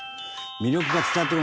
魅力が伝わってこない。